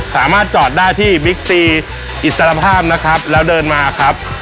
สามารถจอดได้ที่บิ๊กซีอิสรภาพนะครับแล้วเดินมาครับ